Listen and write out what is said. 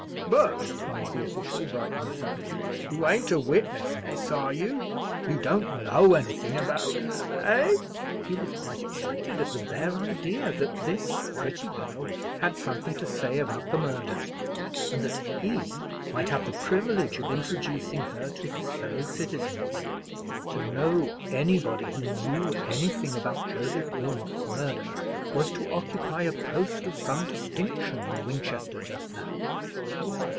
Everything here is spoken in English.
But," cried the official, brightening suddenly, "you ain't a witness, miss, are you? You don't know anything about——eh?" He was quite excited at the bare idea that this pretty girl had something to say about the murder, and that he might have the privilege of introducing her to his fellow citizens. To know anybody who knew anything about Joseph Wilmot's murder was to occupy a post of some distinction in Winchester just now.